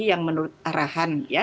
yang menurut arahan